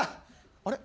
あれ？